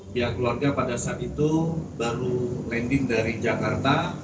pihak keluarga pada saat itu baru landing dari jakarta